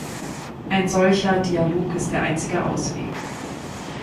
Ein solcher Dialog ist der einzige Ausweg.